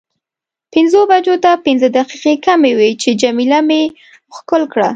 پنځو بجو ته پنځه دقیقې کمې وې چې جميله مې ښکل کړه.